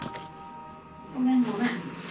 ごめんごめん。